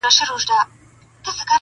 حاکم وویل بهتره ځای شېراز دئ.!